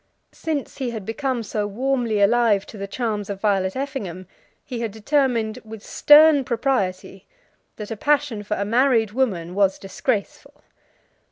Since he had become so warmly alive to the charms of Violet Effingham he had determined, with stern propriety, that a passion for a married woman was disgraceful.